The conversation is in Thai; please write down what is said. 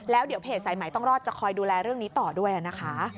แล้วเดี๋ยวเพจสายใหม่ต้องรอดจะคอยดูแลเรื่องนี้ต่อด้วยนะคะ